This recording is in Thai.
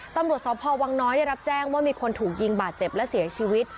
ตำรวจสพวังน้อยได้รับแจ้งว่ามีคนถูกยิงบาดเจ็บและเสียชีวิต